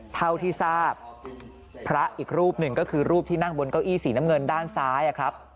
เท่าที่ทราบพระอีกรูปหนึ่งก็คือรูปที่นั่งบนเก้าอี้สีน้ำเงินด้านซ้ายครับ